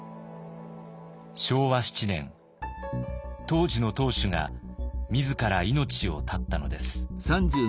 当時の当主が自ら命を絶ったのです。